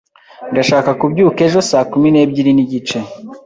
Ndashaka kubyuka ejo saa kumi n'ebyiri n'igice.